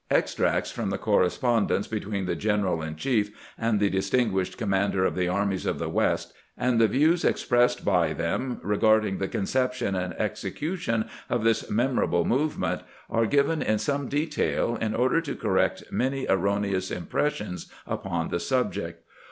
Extracts from the correspondence between the general in chief and the distinguished commander of the armies of the West, and the views expressed by them regarding the conception and execution of this memorable move ment, are given in some detail in order to correct many erroneous impressions upon the subject.